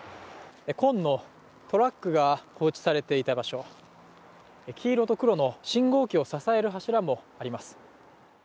紺のトラックが放置されていた場所、黄色と黒の信号機を支える柱もあります。